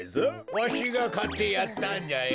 わしがかってやったんじゃよ。